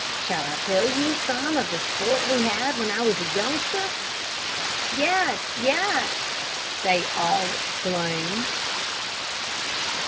Shall I tell you some of the sport we had when I was a youngster?" "Yes, yes!" they all exclaimed.